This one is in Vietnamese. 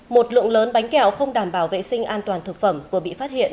một lượng lớn bánh kẹo không đảm bảo vệ sinh an toàn thực phẩm vừa bị phát hiện